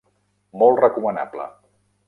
Molt recomanable.